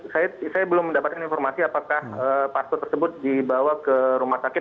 saya belum mendapatkan informasi apakah paspor tersebut dibawa ke rumah sakit